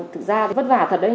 thực ra vất vả thật đấy